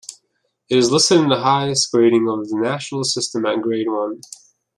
It is listed in the highest grading of the national system at Grade One.